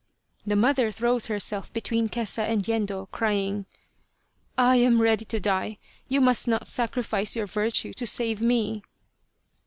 " The mother throws herself between Kesa and Yendo, crying :" I am ready to die. You must not sacrifice your virtue to save me."